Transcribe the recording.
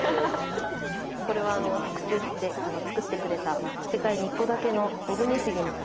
これは特注で作ってくれた世界に１個だけの。